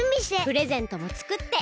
プレゼントもつくって。